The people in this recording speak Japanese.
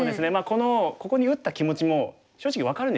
このここに打った気持ちも正直分かるんですよね。